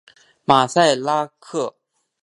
马赛拉克。